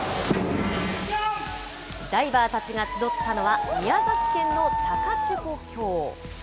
ダイバーたちが集ったのは宮崎県の高千穂峡。